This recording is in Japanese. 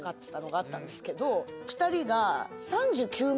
２人が。